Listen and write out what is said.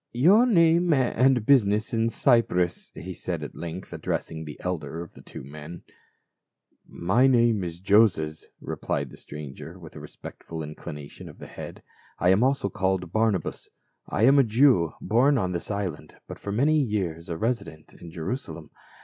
"Your name and business in Cyprus," he said at length, addressing the elder of the two men. " My name is Joses," replied the .stranger, with a respectful inclination of the head. " I am also called Barnabas. I am a Jew, born on this island, but for many years resident in Jerusalem.